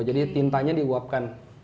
jadi tintanya diuapkan